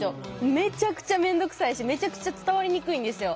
めちゃくちゃ面倒くさいしめちゃくちゃ伝わりにくいんですよ。